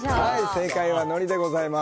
正解はのりでございます。